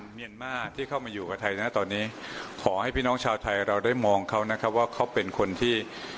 เมียนมาที่เข้ามาอยู่กับไทยนะตอนนี้ขอให้พี่น้องชาวไทยเราได้มองเขานะครับว่าเขาเป็นคนที่